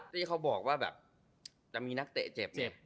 ที่เขาบอกว่าแบบจะมีนักเตะเจ็บเจ็บ